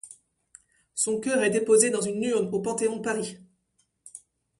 Son cœur est déposé dans une urne au Panthéon de Paris.